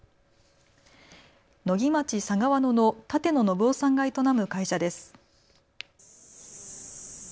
野木町佐川野の舘野信男さんが営む会社です。